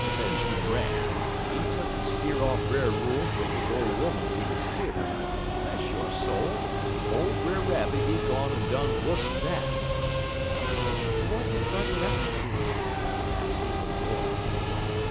Benjermun Ram, he tuck'n skeer off Brer Wolf en his ole 'oman wid his fiddle, but, bless yo' soul, ole Brer Rabbit he gone en done wuss'n dat." "What did Brother Rabbit do?" asked the little boy.